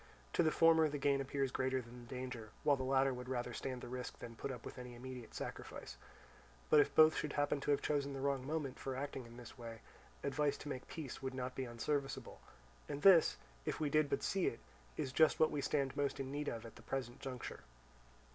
To the former the gain appears greater than the danger, while the latter would rather stand the risk than put up with any immediate sacrifice. But if both should happen to have chosen the wrong moment for acting in this way, advice to make peace would not be unserviceable; and this, if we did but see it, is just what we stand most in need of at the present juncture.